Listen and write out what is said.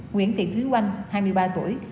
nguyễn thị thúy oanh hai mươi ba tuổi